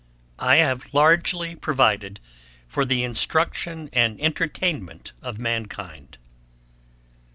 I have largely provided for the instruction and entertainment of mankind.